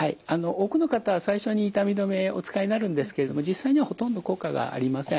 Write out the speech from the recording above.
多くの方は最初に痛み止めをお使いになるんですけれども実際にはほとんど効果がありません。